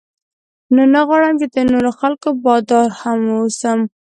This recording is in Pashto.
نو نه غواړم چې د نورو خلکو بادار هم واوسم.